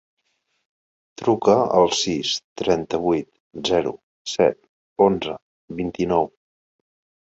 Truca al sis, trenta-vuit, zero, set, onze, vint-i-nou.